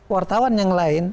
wartawan yang lain